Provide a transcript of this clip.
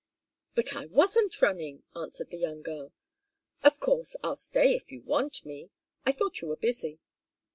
"But I wasn't running," answered the young girl. "Of course I'll stay if you want me. I thought you were busy."